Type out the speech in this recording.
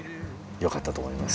良かったと思います。